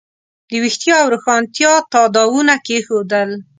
د ویښتیا او روښانتیا تاداوونه کېښودل.